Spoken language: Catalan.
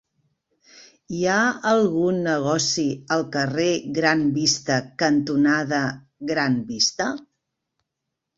Hi ha algun negoci al carrer Gran Vista cantonada Gran Vista?